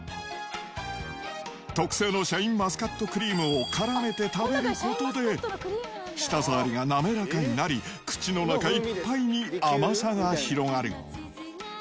特製のシャインマスカットクリームをからめて食べることで、舌触りが滑らかになり、口の中い